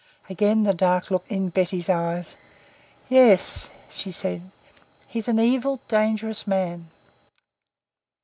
Again the dark look in Betty's eyes. "Yes," she said. "He's an evil, dangerous man."